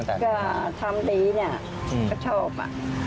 ก็ทำดีเนี่ยก็ชอบ